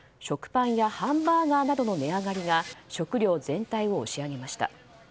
パンやハンバーガーなどの値上がりが食料全体を押し上げました。